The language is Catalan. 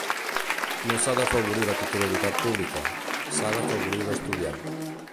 No s’ha d’afavorir la titularitat pública, s’ha d’afavorir l’estudiant.